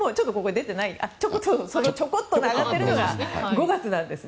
このちょこっと上がってるのが５月なんです。